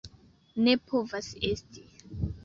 Ne povas esti!